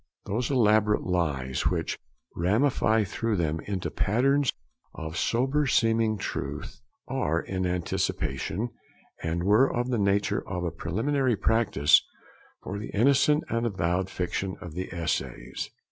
Those elaborate lies, which ramify through them into patterns of sober seeming truth, are in anticipation, and were of the nature of a preliminary practice for the innocent and avowed fiction of the essays.